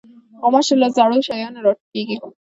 غوماشې له زړو شیانو راټوکېږي.